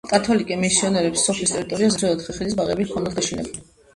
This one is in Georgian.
კათოლიკე მისიონერებს სოფლის ტერიტორიაზე ძველად ხეხილის ბაღები ჰქონდათ გაშენებული.